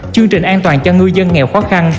chương trình an toàn cho ngư dân nghèo khó khăn